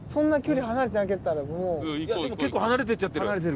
でも結構離れてっちゃってる。